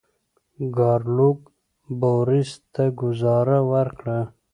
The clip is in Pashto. ګارلوک بوریس ته ګوزاره ورکړه.